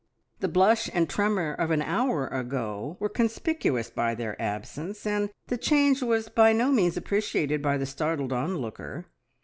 The blush and tremor of an hour ago were conspicuous by their absence, and the change was by no means appreciated by the startled onlooker.